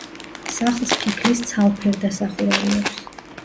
სახლს ფიქლის ცალფერდა სახურავი აქვს.